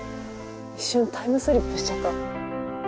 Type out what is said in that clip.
一瞬タイムスリップしちゃった。